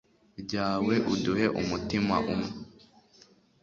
ryawe, uduhe umutima umwe